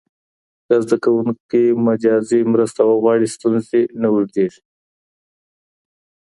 که زده کوونکی مجازي مرسته وغواړي، ستونزه نه اوږدېږي.